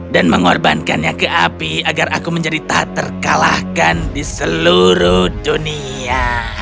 dan mengorbankannya ke api agar aku menjadi tak terkalahkan di seluruh dunia